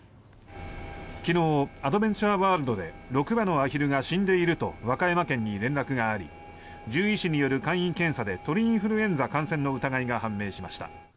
昨日アドベンチャーワールドで６羽のアヒルが死んでいると和歌山県に連絡があり獣医師による簡易検査で鳥インフルエンザ感染の疑いが判明しました。